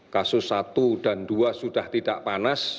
kasus satu dan dua sudah tidak panas